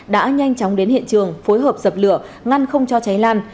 đã nhanh chóng đến hiện trường phối hợp dập lửa ngăn không cho cháy lan